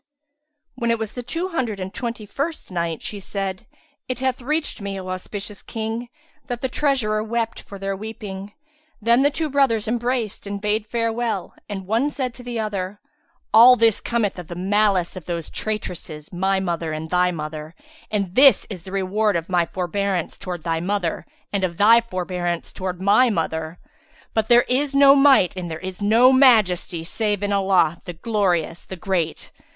When it was the Two Hundred and Twenty first Night, She said, It hath reached me, O auspicious King, that the treasurer wept for their weeping; then the two brothers embraced and bade farewell and one said to the other, "All this cometh of the malice of those traitresses, my mother and thy mother; and this is the reward of my forbearance towards thy mother and of thy for bearance towards my mother! But there is no Might and there is no Majesty save in Allah, the Glorious, the Great!